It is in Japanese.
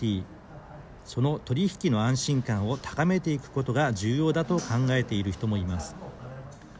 その取り引きの安心感を高めていくことが重要だと考えている人もいます。